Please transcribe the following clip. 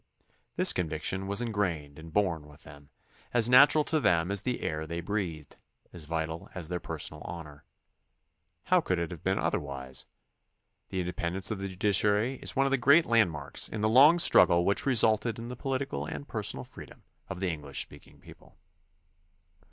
This conviction was ingrained and born with them, as natural to them as the air they breathed, as vital as their personal honor. How could it have been otherwise? The independence of the judiciary is one of the great landmarks in the long struggle which resulted in the political and personal freedom of the English speaking people.